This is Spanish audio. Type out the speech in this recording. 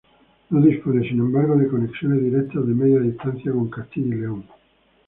No dispone sin embargo de conexiones directas de Media Distancia con Castilla y León.